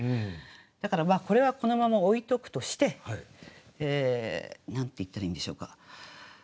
だからこれはこのまま置いとくとして何て言ったらいいんでしょうか。